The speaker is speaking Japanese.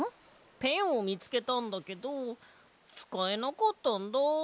ペンをみつけたんだけどつかえなかったんだ。